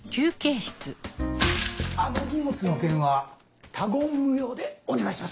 あの荷物の件は他言無用でお願いします。